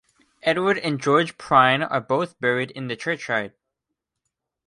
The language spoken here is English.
Edward and George Prynne are both buried in the churchyard.